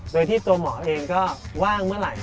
โดยที่ตัวหมอเองก็ว่างเมื่อไหร่